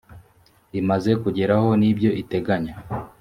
imaze kugeraho n ibyo iteganya